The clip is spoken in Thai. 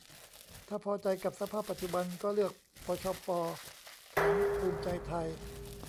ถ้าพอใจกับสภาพปัจจุบัน ก็เลือกปชป. แถมภูมิใจไทย